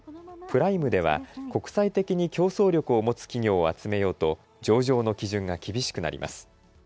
プライムでは国際的に競争力を持つ企業を集めようと上場の基準が厳しくなります。